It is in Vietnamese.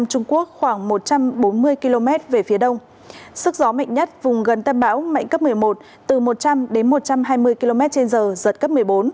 sức gió mạnh nhất vùng gần tâm bão mạnh cấp một mươi một từ một trăm linh đến một trăm hai mươi km trên giờ giật cấp một mươi bốn